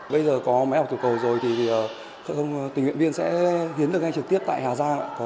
bây giờ có máy học tiểu cầu rồi thì tình nguyện viên sẽ hiến được ngay trực tiếp tại hà giang